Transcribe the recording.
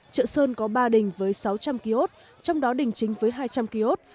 trợ sơn có ba đình với sáu trăm linh kiosk trong đó đình chính với hai trăm linh kiosk